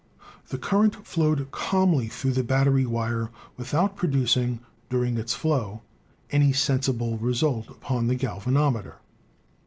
The current flowed calmly through the battery wire with out producing, during its flow, any sensible result upon the galvanometer.